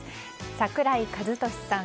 桜井和寿さん